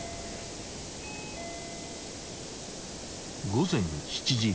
［午前７時半］